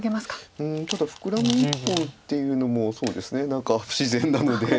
うんただフクラミ１本っていうのもそうですね何か不自然なので。